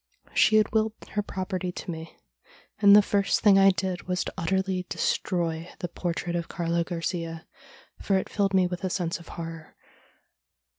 She had willed her property to me, and the first thing I did was to utterly destroy the portrait of Carlo Garcia, for it filled me with a sense of horror.